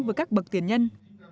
với các bậc tiền nhân